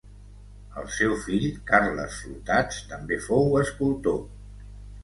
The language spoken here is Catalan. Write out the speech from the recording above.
El seu fill Carles Flotats també fou escultor.